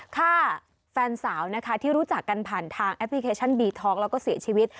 ฆ่าแฟนสาวนะคะที่รู้จักกันผ่านทางแอปพลิเคชันบีท้องแล้วก็เสียชีวิต